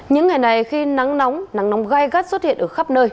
những ngày này khi nắng nóng nắng nóng gai gắt xuất hiện ở khắp nơi